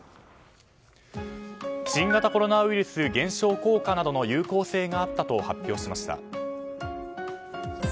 新型コロナウイルス減少効果などの有効性があったと発表しました。